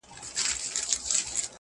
دې بند ته ولي شاه و عروس وايي؟